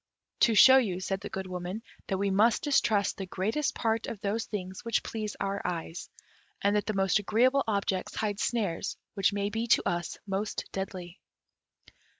"To show you," said the Good Woman, "that we must distrust the greater part of those things which please our eyes, and that the most agreeable objects hide snares which may be to us most deadly."